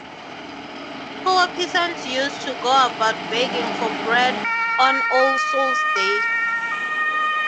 Poor peasants used to go about begging for bread on All Souls' Day.